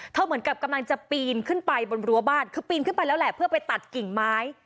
เหมือนกับกำลังจะปีนขึ้นไปบนรั้วบ้านคือปีนขึ้นไปแล้วแหละเพื่อไปตัดกิ่งไม้